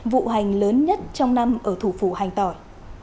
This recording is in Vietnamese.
vụ hành lớn nhất trong năm ở thủ phủ hành tỏi